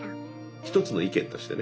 一つの意見としてね。